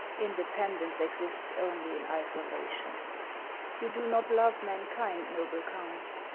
Independence exists only in isolation." " You do not love mankind, noble Count